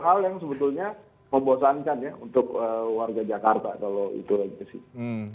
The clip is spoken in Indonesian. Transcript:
hal yang sebetulnya membosankan ya untuk warga jakarta kalau itu aja sih